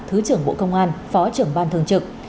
thứ trưởng bộ công an phó trưởng ban thường trực